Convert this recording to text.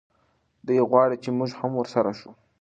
دی غواړي چې موږ هم ورسره شو.